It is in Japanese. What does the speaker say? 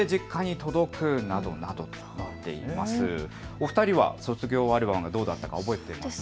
お二人は卒業アルバムどうだったか覚えていますか。